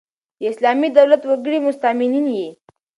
د اسلامي دولت وګړي مستامنین يي.